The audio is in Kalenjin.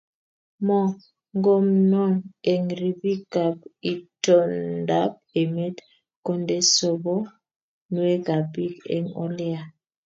Mo ngomnon eng ribikap itondap emet konde sobonwekab bik eng Ole ya